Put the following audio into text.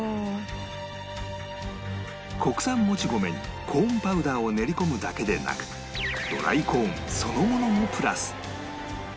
国産もち米にコーンパウダーを練り込むだけでなくドライコーンそのものもプラス